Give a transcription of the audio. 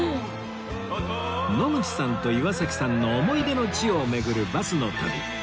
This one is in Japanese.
野口さんと岩崎さんの思い出の地を巡るバスの旅